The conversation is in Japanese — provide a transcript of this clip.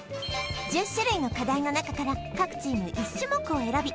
１０種類の課題の中から各チーム１種目を選び